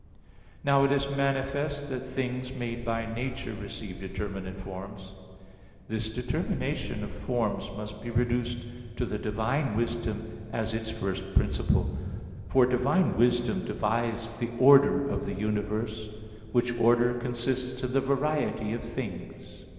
Now it is manifest that things made by nature receive determinate forms. This determination of forms must be reduced to the divine wisdom as its first principle, for divine wisdom devised the order of the universe, which order consists in the variety of things.